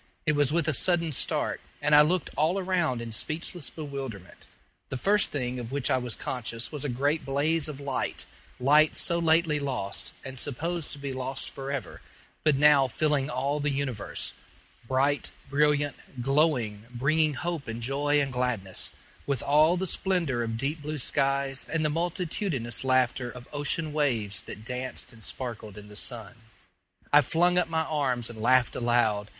It was with a sudden start, and I looked all around in speechless bewilderment. The first thing of which I was conscious was a great blaze of light light so lately lost, and supposed to be lost forever, but now filling all the universe bright, brilliant, glowing bringing hope and joy and gladness, with all the splendor of deep blue skies and the multitudinous laughter of ocean waves that danced and sparkled in the sun. I flung up my arms and laughed aloud.